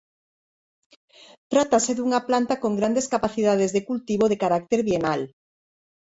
Trátase dunha planta con grandes capacidades de cultivo de carácter bienal.